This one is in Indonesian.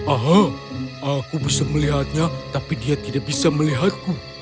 aha aku bisa melihatnya tapi dia tidak bisa melihatku